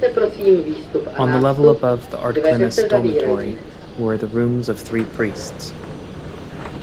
On the level above the Ardclinis Dormitory were the rooms of three priests.